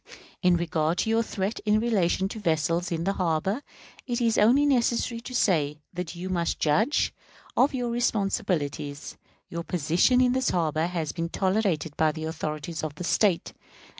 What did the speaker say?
In regard to your threat in relation to vessels in the harbor, it is only necessary to say, that you must judge of your responsibilities. Your position in this harbor has been tolerated by the authorities of the State.